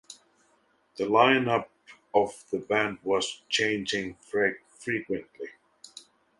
The lineup of the band was changing frequently.